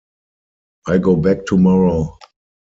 I go back tomorrow.